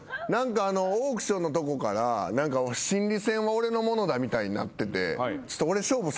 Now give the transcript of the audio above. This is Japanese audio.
オークションのとこから心理戦は俺のものだみたいになってて。